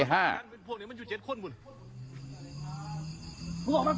ออกมา๒หนีไป๕